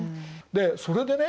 でそれでね